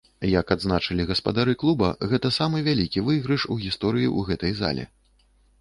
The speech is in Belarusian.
Як адзначылі гаспадары клуба, гэта самы вялікі выйгрыш у гісторыі гэтай зале.